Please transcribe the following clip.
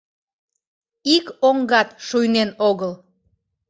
ик оҥгат шуйнен огыл!